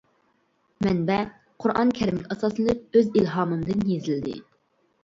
مەنبە: قۇرئان كەرىمگە ئاساسلىنىپ ئۆز ئىلھامىمدىن يېزىلدى.